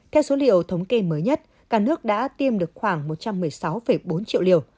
theo số liệu thống kê mới nhất cả nước đã tiêm được khoảng một trăm một mươi sáu bốn triệu liều